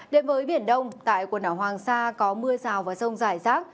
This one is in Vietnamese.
đến với biển đông tại quần đảo hoàng sa có mưa rào và rông rải rác